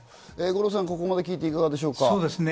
五郎さん、ここまで聞いていかがでしょうか。